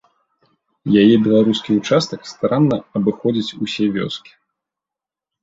Яе беларускі ўчастак старанна абыходзіць усе вёскі.